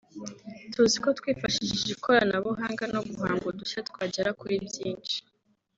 tuzi ko twifashishije ikoranabuhanga no guhanga udushya twagera kuri byinshi